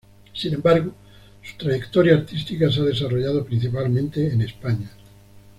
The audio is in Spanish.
Sin embargo, su trayectoria artística se ha desarrollado principalmente en España.